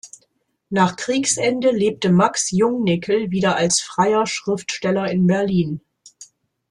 Nach Kriegsende lebte Max Jungnickel wieder als freier Schriftsteller in Berlin.